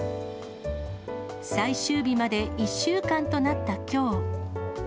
最終日まで１週間となったきょう。